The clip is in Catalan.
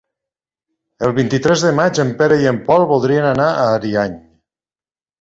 El vint-i-tres de maig en Pere i en Pol voldrien anar a Ariany.